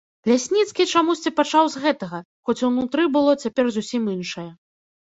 Лясніцкі чамусьці пачаў з гэтага, хоць унутры было цяпер зусім іншае.